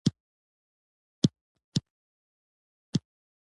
هرات د مسلمانانو تر ولکې لاندې راغی.